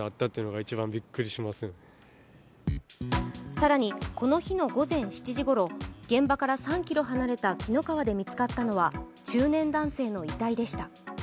更にこの日の午前７時ごろ現場から３ｋｍ離れた紀の川で見つかったのは中年男性の遺体でした。